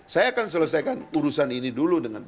saya akan selesaikan urusan ini dulu dengan